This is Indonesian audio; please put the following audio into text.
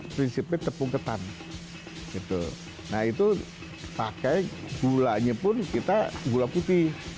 prinsipnya tepung ketan nah itu pakai gulanya pun kita gula putih